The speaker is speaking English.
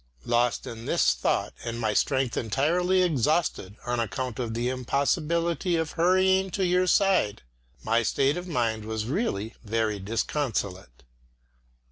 Lost in this thought and my strength entirely exhausted on account of the impossibility of hurrying to your side, my state of mind was really very disconsolate.